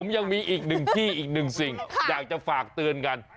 ยังมีอีกหนึ่งที่อีกหนึ่งสิ่งอยากจะฝากเตือนกัน